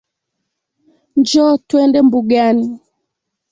Njoo twende mbugani